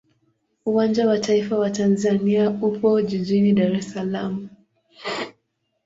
Uwanja wa taifa wa Tanzania upo jijini Dar es Salaam.